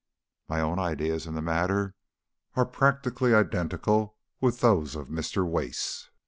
My own ideas in the matter are practically identical with those of Mr. Wace.